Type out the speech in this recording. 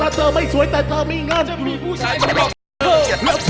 ถ้าเธอไม่สวยแต่เธอมีงานจะมีผู้ชายมาหรอก